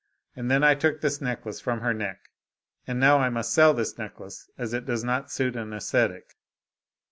And then I took this necklace from her neck. And now I must sell this necklace, as it does not suit an ascetic."